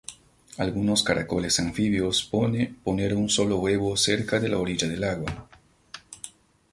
Algunos caracoles anfibios poner un solo huevo cerca de la orilla del agua.